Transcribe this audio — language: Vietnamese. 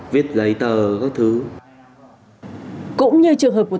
với mức lương cao